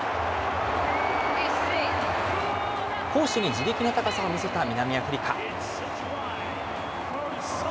攻守に地力の高さを見せた南アフリカ。